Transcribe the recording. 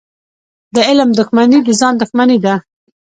د علم دښمني د ځان دښمني ده.